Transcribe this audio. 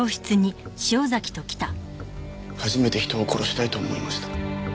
初めて人を殺したいと思いました。